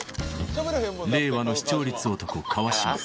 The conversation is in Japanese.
令和の視聴率男川島